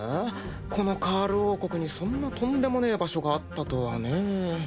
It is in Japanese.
このカール王国にそんなとんでもねえ場所があったとはねぇ。